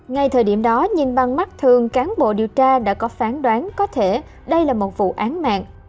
ngay thời điểm đó nhìn bằng mắt thường cán bộ điều tra đã có phán đoán có thể đây là một vụ án mạng